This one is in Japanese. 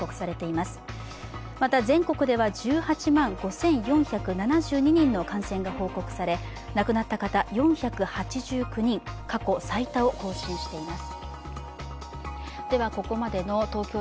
また全国では１８万５４７２人の感染が報告され亡くなった方４８９人、過去最多を更新しています。